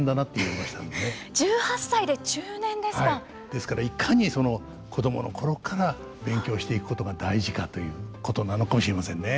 ですからいかに子供の頃から勉強していくことが大事かということなのかもしれませんね。